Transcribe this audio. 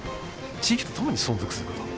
地域と共に存続すること。